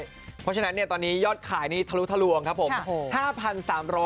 เพราะฉะนั้นตอนนี้ยอดขายนี่ทะลุทะลวงครับผม